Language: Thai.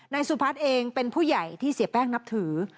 สุพัฒน์เองเป็นผู้ใหญ่ที่เสียแป้งนับถือ